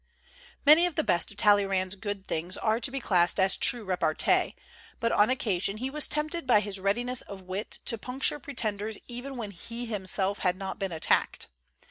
Many of the best of Talleyrand's good things are to be classed as true repartee; but on occa sion he was tempted by his readiness of wit to puncture pretenders even when he himself had not been attacked.